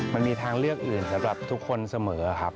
มันมีทางเลือกอื่นสำหรับทุกคนเสมอครับ